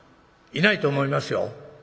いないと思いますよ。